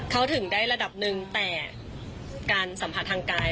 เข้าถึงได้ระดับหนึ่งแต่การสัมผัสทางกาย